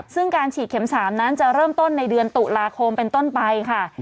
ซึ่งการฉีดเข็ม๓นั้นจะเริ่มต้นในเดือนตุลาคมเป็นต้นไปค่ะ